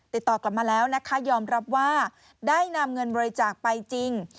ติดต่อกลับมาแล้วนะคะยอมรับว่าได้นำเงินบริจาคไปจริง